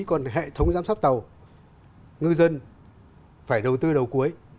còn hệ thống giám sát tàu ngư dân phải đầu tư đầu cuối